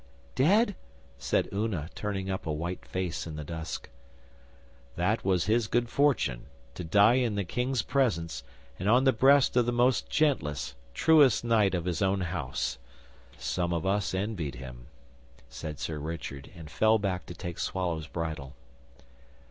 'Dead?' said Una, turning up a white face in the dusk. 'That was his good fortune. To die in the King's presence, and on the breast of the most gentlest, truest knight of his own house. Some of us envied him,' said Sir Richard, and fell back to take Swallow's bridle.